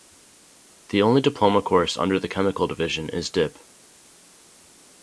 The only diploma course under the Chemical division is Dip.